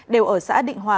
đều ở xã định hòa